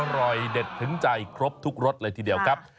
อร่อยเด็ดถึงใจครบทุกรสเลยทีเดียวครับ